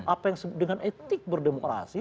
apa yang disebut dengan etik berdemokrasi